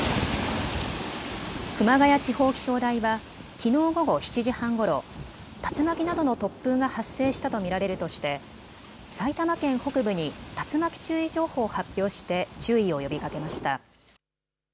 熊谷地方気象台はきのう午後７時半ごろ竜巻などの突風が発生したと見られるとして埼玉県北部に竜巻注意情報を発表して注意を呼びかけました。